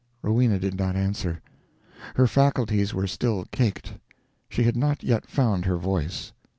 Rowena did not answer. Her faculties were still caked; she had not yet found her voice.